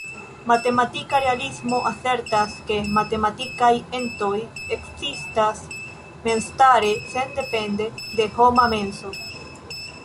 Matematika realismo asertas, ke matematikaj entoj ekzistas memstare, sendepende de homa menso.